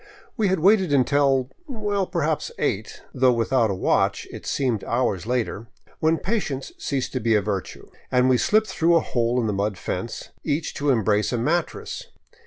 We had waited until — well, perhaps eight, though without a watch it seemed hours later, when patience ceased to be a virtue, and we slipped through a hole in the mud fence, each to embrace a mat tress.